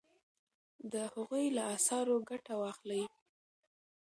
د هغوی له اثارو ګټه واخلئ.